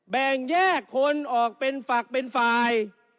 แบ่งแยกคนออกเป็นฝักเป็นฝ่าย